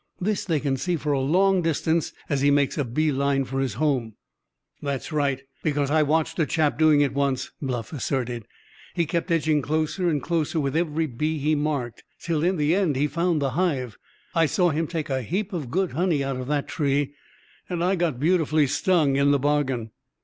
This they can see for a long distance as he makes a beeline for his home." "That's right, because I watched a chap doing it once," Bluff asserted. "He kept edging closer and closer with every bee he marked, till in the end he found the hive. I saw him take a heap of good honey out of that tree, and I got beautifully stung in the bargain."